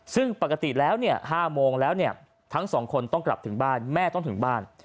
ซึ่งปกติ๕โมงแล้วทั้ง๒คนต้องกลับถึงบ้านแม่ต้องถึงบ้าน